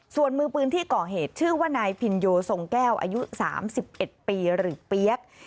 ส่วนมือปืนที่ก่อเหตุชื่อว่านายพินโยทรงแก้วอายุ๓๑ปีหรือเปี๊ยก